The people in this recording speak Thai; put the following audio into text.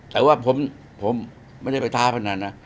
แต่ว่าผมไม่ได้ไปท้าพนันนะ